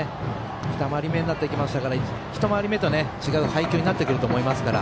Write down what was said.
２回り目になってきましたから１回り目と違う配球になってきますから。